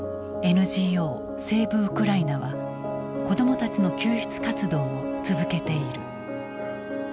ＮＧＯセーブ・ウクライナは子どもたちの救出活動を続けている。